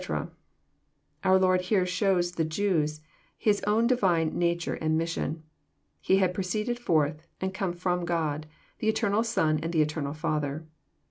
"] Our Lord here shows the Jews His own divine nature and mission. He had proceeded forth, and come from God — the eternal Son from the eternal Father.